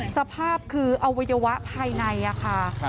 สภาพคืออวัยวะภายในค่ะ